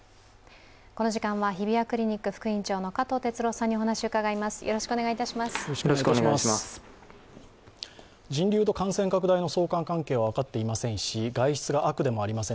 この時間は日比谷クリニック副院長の加藤哲朗さんにお話を伺います。